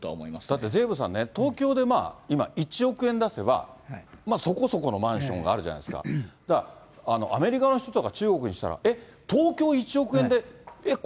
だって、デーブさんね、東京で今、１億円出せば、そこそこのマンションがあるじゃないですか、アメリカの人とか中国にしたら、えっ、東京１億円で、えっ？